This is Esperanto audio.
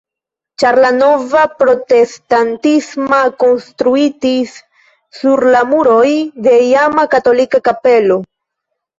Ĉar la nova protestantisma konstruitis sur la muroj de iama katolika kapelo.